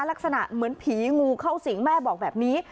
ลักษณะเหมือนผีงูเข้าสิงแม่บอกแบบนี้